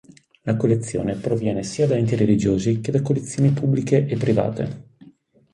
La collezione proviene sia da enti religiosi che da collezioni pubbliche e private.